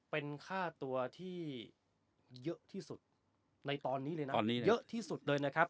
เป็นค่าตัวที่เยอะที่สุดในตอนนี้เลยนะเยอะที่สุดเลยนะครับ